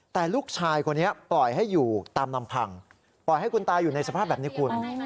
แต่ลูกชายคนนี้ปล่อยให้อยู่ตามลำพังปล่อยให้คุณตาอยู่ในสภาพแบบนี้คุณ